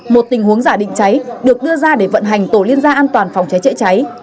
một tình huống giả định cháy được đưa ra để vận hành tổ liên gia an toàn phòng cháy chữa cháy